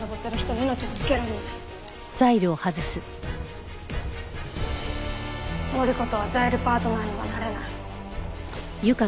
範子とはザイルパートナーにはなれない。